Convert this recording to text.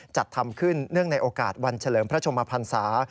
จัดทำขึ้นเนื่องในโอกาสวันเฉลิมพระชมพันศา